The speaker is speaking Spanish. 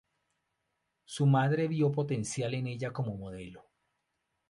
Su madre vio potencial en ella como modelo.